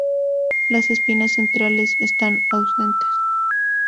Las espinas centrales están ausentes.